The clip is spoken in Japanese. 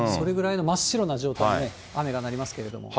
それぐらいの真っ白な状態に、雨がなりますけれども。